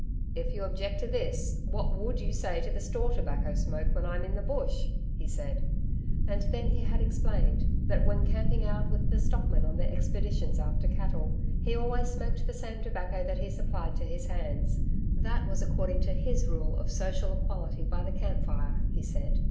'If you object to this, what WOULD you say to the store tobacco smoke when I'm in the Bush?' he said. And then he had explained that, when camping out with the stockmen on their expeditions after cattle, he always smoked the same tobacco that he supplied to his hands. That was according to HIS rule of social equality by the camp fire, he said....